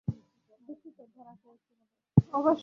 দুঃখিত, ধরা খেয়েছি বলে।